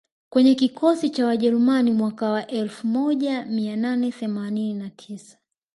kwenye kikosi cha Wajerumani mwaka wa elfu moja mia nane themanini na tisa